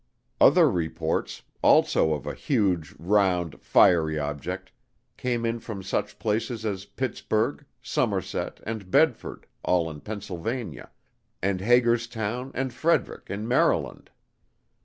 Other reports, also of a "huge, round, fiery object," came in from such places as Pittsburgh, Somerset, and Bedford, all in Pennsylvania; and Hagerstown and Frederick in Maryland.